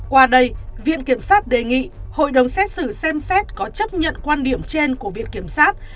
qua đây viện kiểm sát đề nghị hội đồng xét xử xem xét có chấp nhận quan điểm trên của viện kiểm sát